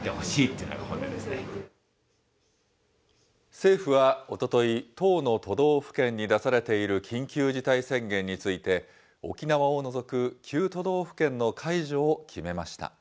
政府はおととい、１０の都道府県に出されている緊急事態宣言について、沖縄を除く９都道府県の解除を決めました。